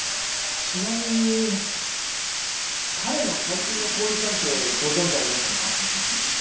ちなみに彼の最近の交友関係ご存じありませんか？